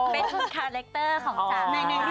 เป็นคาแรคเตอร์ของจ๊ะ